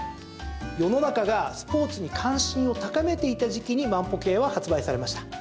世の中がスポーツに関心を高めていた時期に万歩計は発売されました。